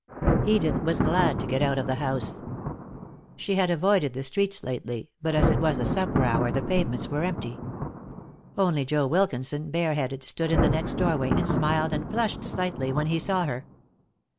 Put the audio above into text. Edith was glad to get out of the house. She had avoided the streets lately, but as it was the supper hour the pavements were empty. Only Joe Wilkinson, bare headed, stood in the next doorway, and smiled and flushed slightly when he saw her.